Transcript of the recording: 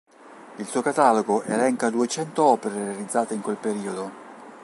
Il suo catalogo elenca duecento opere realizzate in quel periodo!